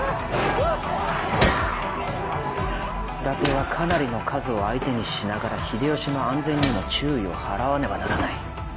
伊達はかなりの数を相手にしながら秀吉の安全にも注意を払わねばならない。